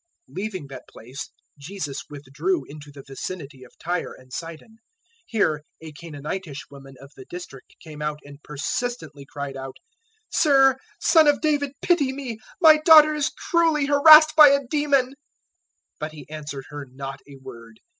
015:021 Leaving that place, Jesus withdrew into the vicinity of Tyre and Sidon. 015:022 Here a Canaanitish woman of the district came out and persistently cried out, "Sir, Son of David, pity me; my daughter is cruelly harassed by a demon." 015:023 But He answered her not a word.